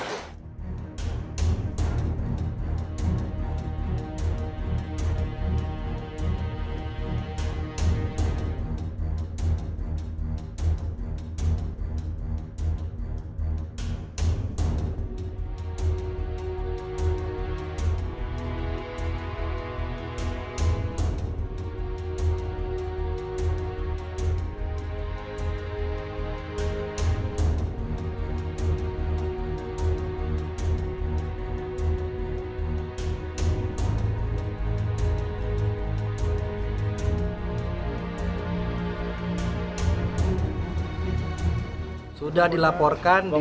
untuk mencari keadilan kita harus mengambil keterangan yang terbaik